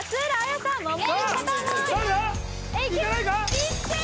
・いってー！